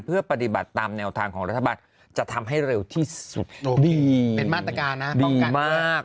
เพื่อปฏิบัติตามแนวทางของรัฐบาลจะทำให้เร็วที่สุดดีมาก